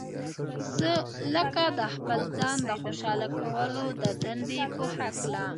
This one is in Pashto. لکه د خپل ځان د خوشاله کولو د دندې په هکله.